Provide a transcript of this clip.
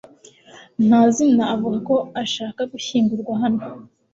Ntazina avuga ko ashaka gushyingurwa hano .